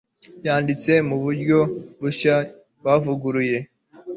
yanditse mu buryo bushya buvuguruye